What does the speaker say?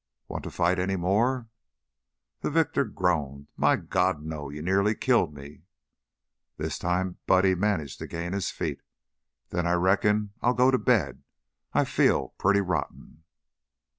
"Want to fight any more?" The victor groaned. "My God, no! You nearly killed me." This time Buddy managed to gain his feet. "Then I reckon I'll go to bed. I feel purty rotten."